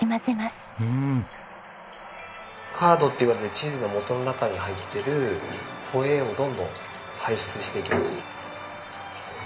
カードっていわれるチーズのもとの中に入ってるホエイをどんどん排出していきます。